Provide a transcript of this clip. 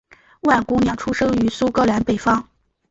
万姑娘出生于苏格兰北方。